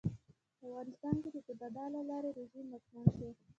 په افغانستان کې د کودتا له لارې رژیم واکمن شو.